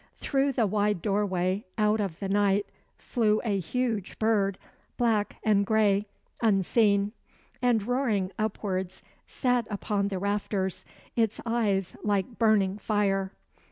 Through the wide doorway out of the night flew a huge bird, black and gray, unseen; and soaring upwards sat upon the rafters, its eyes like burning fire.